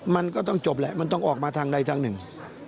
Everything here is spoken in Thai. มันก็ต้องจบแหละมันต้องออกมาทางใดทางหนึ่ง